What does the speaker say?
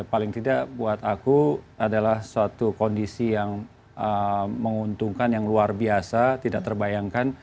paling tidak buat aku adalah suatu kondisi yang menguntungkan yang luar biasa tidak terbayangkan